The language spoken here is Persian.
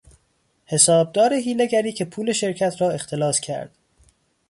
حسابدار حیلهگری که پول شرکت را اختلاس کرد